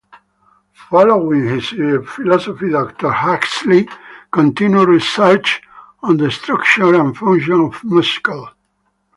Following his PhD, Huxley continued research on the structure and function of muscle.